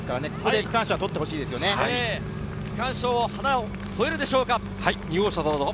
区間賞という花を添えるでしょうか。